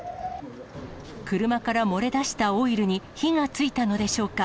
車から漏れ出したオイルに火がついたのでしょうか。